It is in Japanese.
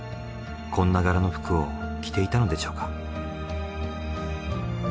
こんな柄の服を着ていたのでしょうか。